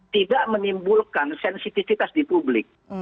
tidak menimbulkan sensitivitas di publik